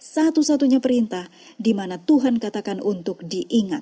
satu satunya perintah di mana tuhan katakan untuk diingat